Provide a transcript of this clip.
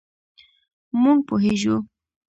مونږ پوهیږو